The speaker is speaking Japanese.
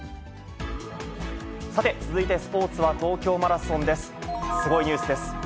さて、続いてスポーツは東京マラソンです。